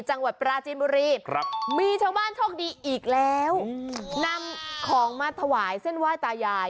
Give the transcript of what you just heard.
จังหวัดปราจีนบุรีครับมีชาวบ้านโชคดีอีกแล้วนำของมาถวายเส้นไหว้ตายาย